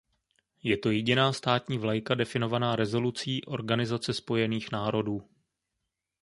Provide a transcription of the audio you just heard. Je to jediná státní vlajka definovaná rezolucí Organizace spojených národů.